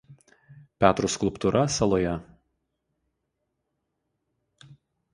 Petro skulptūra saloje.